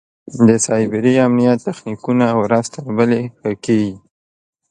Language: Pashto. د سایبري امنیت تخنیکونه ورځ تر بلې ښه کېږي.